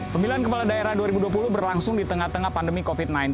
pemilihan kepala daerah dua ribu dua puluh berlangsung di tengah tengah pandemi covid sembilan belas